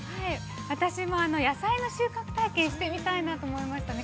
◆私も、野菜の収穫体験してみたいなと思いましたね。